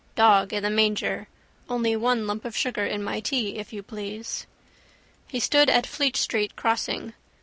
Dog in the manger. Only one lump of sugar in my tea, if you please. He stood at Fleet street crossing.